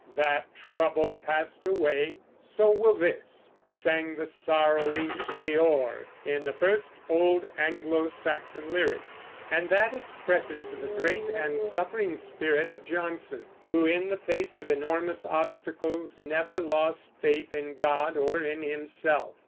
"That trouble passed away; so will this," sang the sorrowing Deor in the first old Anglo Saxon lyric; and that expresses the great and suffering spirit of Johnson, who in the face of enormous obstacles never lost faith in God or in himself.